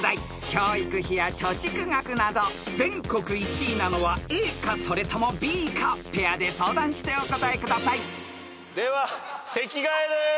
［教育費や貯蓄額など全国１位なのはＡかそれともＢかペアで相談してお答えください］では席替えです！